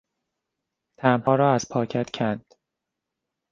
تمبرها را از پاکت کند.